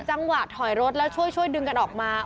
จังหวะถอยรถแล้วช่วยดึงกันออกมา